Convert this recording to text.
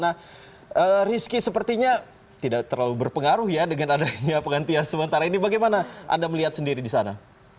nah rizky sepertinya tidak terlalu berpengaruh ya dengan adanya penghentian sementara ini bagaimana anda melihat sendiri di sana